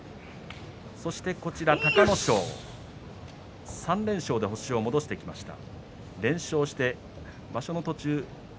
隆の勝３連勝で星を戻してきました。